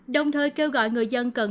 đồng thời kêu gọi người dân cần khẩn trọng